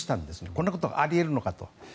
こんなことがあり得るのかと。